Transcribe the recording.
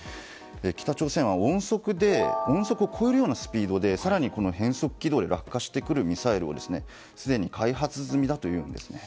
北朝鮮は音速を超えるようなスピードで更に変則軌道で落下してくるミサイルをすでに開発済みだというんですね。